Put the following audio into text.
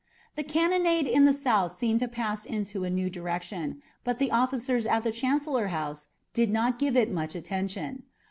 The cannonade in the south seemed to pass into a new direction, but the officers at the Chancellor House did not give it much attention.